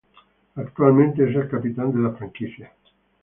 Actualmente es el capitán de la franquicia.